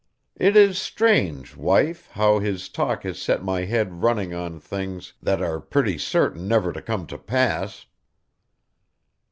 It is strange, wife, how his talk has set my head running on things that are pretty certain never to come to pass.